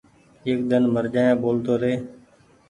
ايڪ ۮن مر جآيآ ٻولتو ري ۔